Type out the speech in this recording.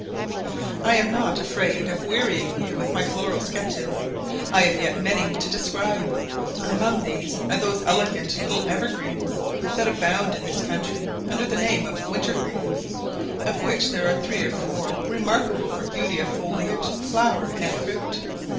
I am not afraid of wearying you with my floral sketches, I have yet many to describe; among these are those elegant little evergreens, that abound in this country, under the name of winter greens, of which there are three or four remarkable for beauty of foliage, flower, and fruit.